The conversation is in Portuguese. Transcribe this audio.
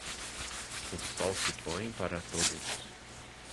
O sol se põe para todos.